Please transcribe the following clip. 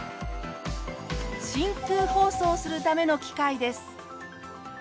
真空包装するための機械です。